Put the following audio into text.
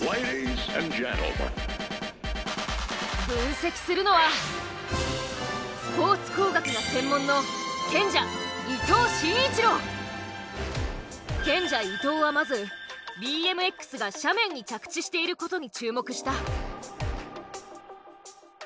分析するのはスポーツ工学が専門の賢者賢者・伊藤はまずＢＭＸが斜面に着地していることに注目した。